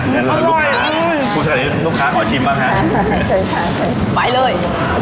ลูกค้าสุดของทุกค้าขอชิมบ้างค่ะเชิญค่ะไปเลย